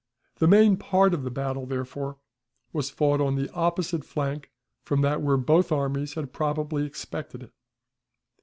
The main part of the battle, therefore, was fought on the opposite flank from that where both armies had probably expected it.